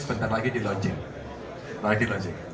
sebentar lagi di launching